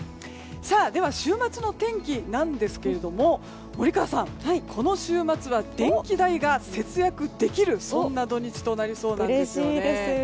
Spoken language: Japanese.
では、週末の天気なんですが森川さん、この週末は電気代が節約できるそんな土日となりそうなんですね。